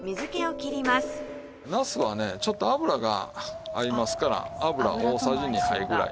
なすはねちょっと油が合いますから油大さじ２杯ぐらい。